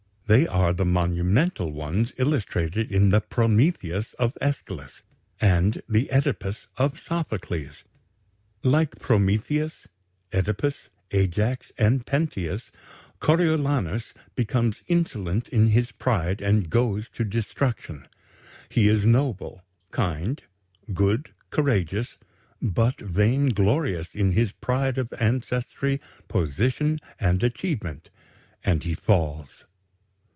They are the monumental ones illustrated in the 'Prometheus' of Æschylus and the 'Œdipus' of Sophocles. Like Prometheus, Œdipus, Ajax, and Pentheus, Coriolanus becomes insolent in his pride and goes to destruction. He is noble, kind, good, courageous, but vainglorious in his pride of ancestry, position, and achievement; and he falls.